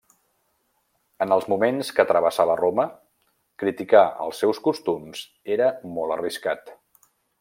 En els moments que travessava Roma, criticar els seus costums era molt arriscat.